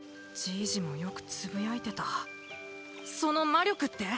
いじもよくつぶやいてたその魔力って？